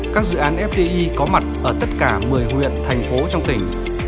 các dự án fdi có mặt ở tất cả một mươi huyện thành phố trong tỉnh